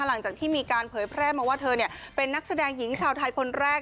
หลังจากที่มีการเผยแพร่มาว่าเธอเป็นนักแสดงหญิงชาวไทยคนแรก